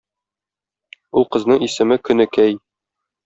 Ул кызның исеме Көнекәй.